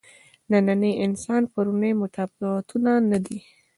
نننی انسان پروني متفاوته نه دي.